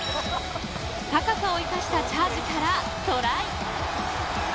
高さを生かしたチャージからトライ。